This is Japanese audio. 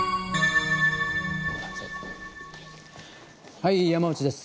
はい山内です。